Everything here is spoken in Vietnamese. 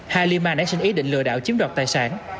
halima đã xin ý định lừa đảo chiếm đoạt tài sản